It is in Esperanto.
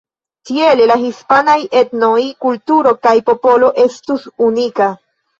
Tiele la hispanaj etno, kulturo kaj popolo estus unika.